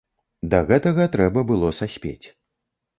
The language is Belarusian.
Да гэтага трэба было саспець.